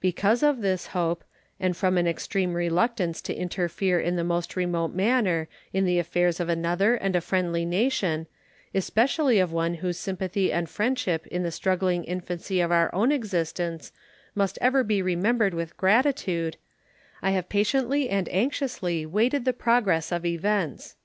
Because of this hope, and from an extreme reluctance to interfere in the most remote manner in the affairs of another and a friendly nation, especially of one whose sympathy and friendship in the struggling infancy of our own existence must ever be remembered with gratitude, I have patiently and anxiously waited the progress of events.